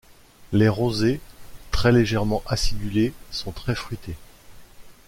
Les rosés, très légèrement acidulés, sont très fruités.